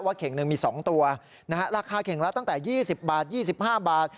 เข่งหนึ่งมี๒ตัวราคาเข่งละตั้งแต่๒๐บาท๒๕บาท